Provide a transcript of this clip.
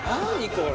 これ。